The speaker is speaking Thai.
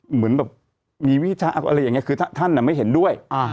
เหมือนแบบมีวิชาอะไรอย่างนี้คือท่านไม่เห็นด้วย